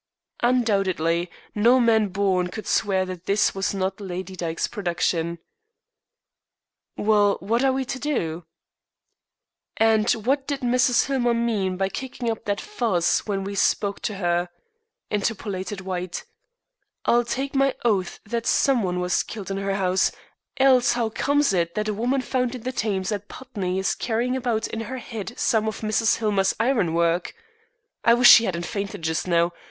"Undoubtedly. No man born could swear that this was not Lady Dyke's production." "Well, what are we to do?" "And what did Mrs. Hillmer mean by kicking up that fuss when we spoke to her?" interpolated White. "I'll take my oath that some one was killed in her house, else how comes it that a woman found in the Thames at Putney is carrying about in her head some of Mrs. Hillmer's ironwork? I wish she hadn't fainted just now.